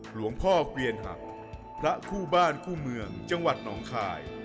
หลวงพ่อเกวียนหักพระคู่บ้านคู่เมืองจังหวัดหนองคาย